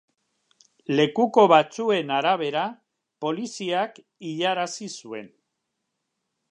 Lekuko batzuen arabera poliziak hilarazi zuen.